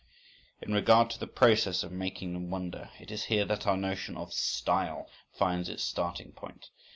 In regard to the process of making them wonder: it is here that our notion of "style" finds its starting point.